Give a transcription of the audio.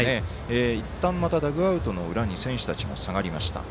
いったん、またダグアウトの裏に選手たちが下がりました。